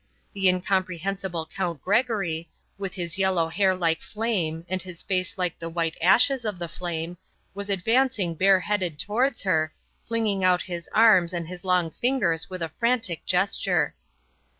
The incomprehensible Count Gregory, with his yellow hair like flame and his face like the white ashes of the flame, was advancing bareheaded towards her, flinging out his arms and his long fingers with a frantic gesture.